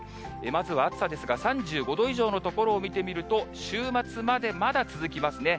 まずは暑さですが、３５度以上の所を見てみると、週末までまだ続きますね。